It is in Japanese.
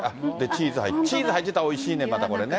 チーズ入って、チーズ入ってたらおいしいね、またこれね。